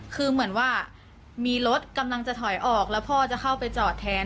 คือเหมือนว่ามีรถกำลังจะถอยออกแล้วพ่อจะเข้าไปจอดแทน